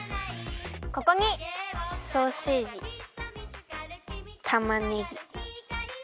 ここにソーセージたまねぎピーマン。